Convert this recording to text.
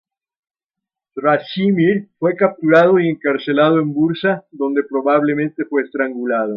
Sracimir fue capturado y encarcelado en Bursa donde probablemente fue estrangulado.